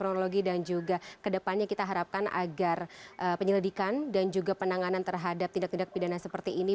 kronologi dan juga kedepannya kita harapkan agar penyelidikan dan juga penanganan terhadap tindak tindak pidana seperti ini